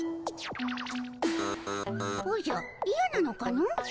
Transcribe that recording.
おじゃいやなのかの。